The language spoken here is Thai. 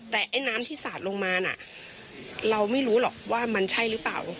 แต่ไอ้น้ำที่สาดลงมาน่ะเราไม่รู้หรอกว่ามันใช่หรือเปล่า